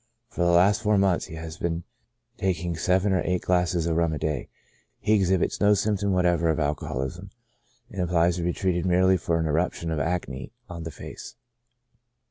For the last four months he has been taking seven or eight glasses of rum a day. He exhibits no symptom whatever of alcoholism, and applies to be treated merely for an eruption of acne on the face.